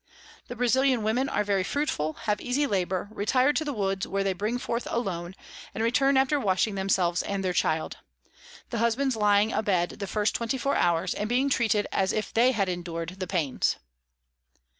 The Brazilian Women are very fruitful, have easy Labour, retire to the Woods where they bring forth alone, and return after washing themselves and their Child; the Husbands lying a bed the first 24 hours, and being treated as if they had endur'd the Pains.